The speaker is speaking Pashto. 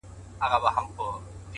هوښیار انسان له تېروتنو ځان سموي؛